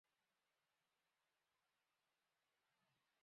Modificación covalente reversible.